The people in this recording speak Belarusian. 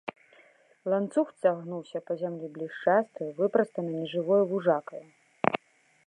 Ланцуг цягнуўся па зямлі блішчастаю, выпрастана нежывою вужакаю.